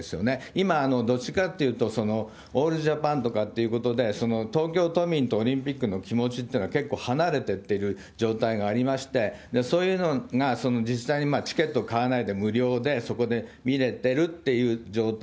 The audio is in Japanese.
今、どっちかっていうと、オールジャパンとかっていうことで、東京都民とオリンピックの気持ちっていうのは結構離れてってる状態がありまして、そういうのが、実際にチケットを買わないで無料でそこで見れてるっていう状態。